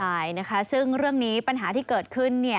ใช่นะคะซึ่งเรื่องนี้ปัญหาที่เกิดขึ้น